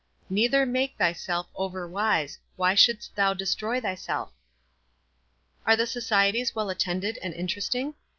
Neither make, thyself overwise. Why shouldest thou de» troy thyself?" " Ake the societies well attended and inter esting?"